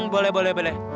boleh boleh boleh